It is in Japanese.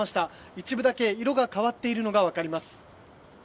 一部だけ色が変わっているのがわかります。